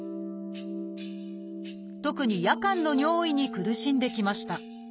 特に夜間の尿意に苦しんできました。